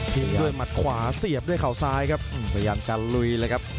ด้วยหมัดขวาเสียบด้วยเขาซ้ายครับพยายามจะลุยเลยครับ